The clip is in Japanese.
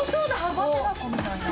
玉手箱みたいな。